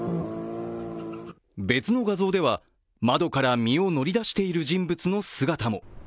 別の画像では、窓から身を乗り出している人物の姿も。